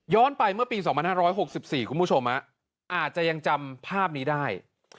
ไปเมื่อปี๒๕๖๔คุณผู้ชมอาจจะยังจำภาพนี้ได้